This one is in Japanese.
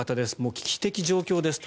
危機的状況ですと。